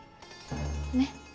ねっ？